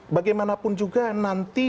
bagaimanapun juga nanti